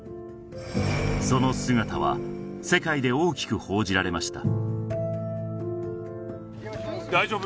その姿は世界で大きく報じられました